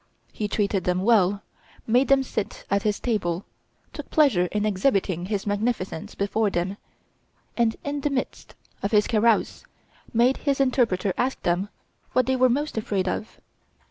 He treated them well, made them sit at his table, took pleasure in exhibiting his magnificence before them, and in the midst of his carouse made his interpreter ask them what they were most afraid of.